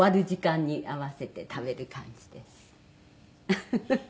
フフフフ！